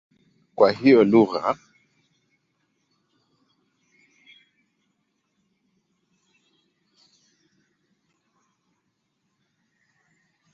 Kwa hiyo lugha imetoweka kabisa kwa sasa.